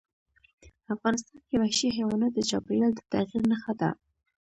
افغانستان کې وحشي حیوانات د چاپېریال د تغیر نښه ده.